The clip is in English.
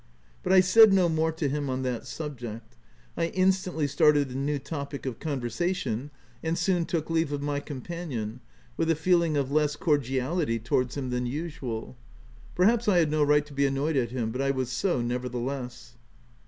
But I said no more to him on that subject. I instantly started a new topic of conversation, and soon OF WILDFELL HALL. 177 took leave of my companion, with a feeling of less cordiality towards him than usual. Perhaps I had no right to be annoyed at him, but I was so nevertheless.